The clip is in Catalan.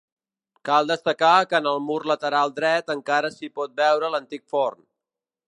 Cal destacar que en el mur lateral dret encara s’hi pot veure l’antic forn.